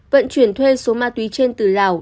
vận chuyển thuê số ma túy trên từ lào